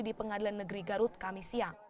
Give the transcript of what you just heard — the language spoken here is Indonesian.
di pengadilan negeri garut kamisya